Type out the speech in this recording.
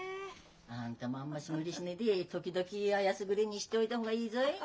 あんたもあんまし無理しねえで時々あやすぐれえにしでおいだ方がいいぞい。